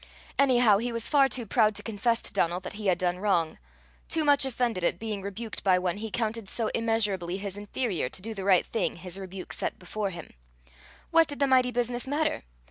Anyhow, he was far too proud to confess to Donal that he had done wrong too much offended at being rebuked by one he counted so immeasurably his inferior, to do the right thing his rebuke set before him. What did the mighty business matter!